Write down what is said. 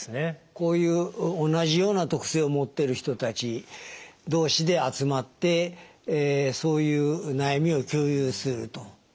こういう同じような特性を持ってる人たち同士で集まってそういう悩みを共有すると。